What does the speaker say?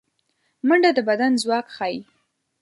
منډه د بدن ځواک ښيي